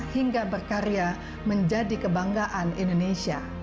hingga berkarya menjadi kebanggaan indonesia